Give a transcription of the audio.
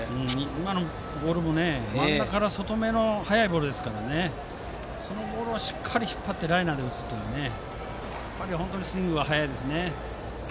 今のボールも真ん中から外めの速いボールだったのでそのボールをしっかり引っ張ってライナーで打つのはやっぱり本当にスイングが速いですね。